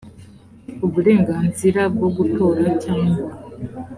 uburenganzira bwo gutora cyangwa